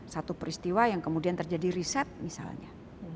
satu peristiwa yang kemudian terjadi riset misalnya